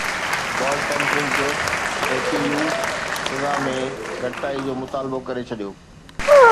بال tampering case اي پي يو سزا ۾ گهٽتائي جو مطالبو ڪري ڇڏيو